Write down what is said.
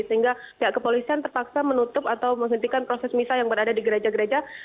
sehingga pihak kepolisian terpaksa menutup atau menghentikan proses misa yang berada di gereja gereja